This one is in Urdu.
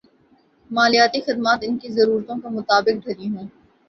مالیاتی خدمات ان کی ضرورتوں کے مطابق ڈھلی ہوں